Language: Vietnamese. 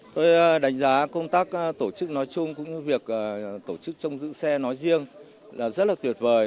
tôi đánh giá công tác tổ chức nói chung cũng như việc tổ chức trông giữ xe nói riêng là rất là tuyệt vời